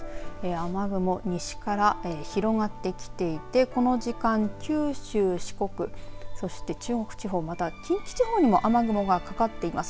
雨雲、西から広がってきていてこの時間九州、四国、そして中国地方また近畿地方にも雨雲がかかっています。